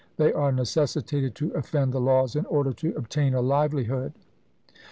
They are necessitated to offend the laws in order to obtain a livelihood!